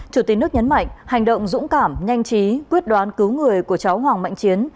chủ tịch nước nhấn mạnh hành động dũng cảm nhanh chí quyết đoán cứu người của cháu hoàng mạnh chiến